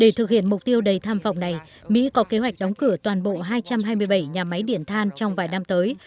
để thực hiện mục tiêu đầy tham vọng này mỹ có kế hoạch đóng cửa toàn bộ hai trăm hai mươi bảy nhà máy điện than trong vài năm tới